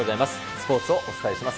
スポーツをお伝えします。